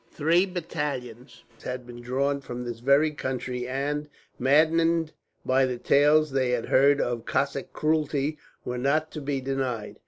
Three battalions had been drawn from this very country and, maddened by the tales they had heard of Cossack cruelty, were not to be denied.